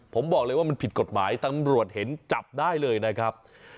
ผมบอกเลยว่ามันผิดกฎหมายตำรวจเห็นจับได้เลยนะครับ